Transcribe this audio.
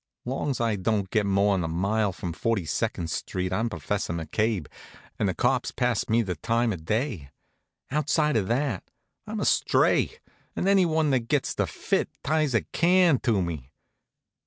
Long's I don't get more'n a mile from Forty Second st., I'm Professor McCabe, and the cops pass me the time of day. Outside of that I'm a stray, and anyone that gets the fit ties a can to me.